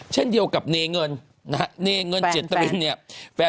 เช่นเดียวกับเนเงินนะฮะเนเงินเจตรินเนี่ย